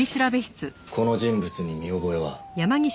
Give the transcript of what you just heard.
この人物に見覚えは？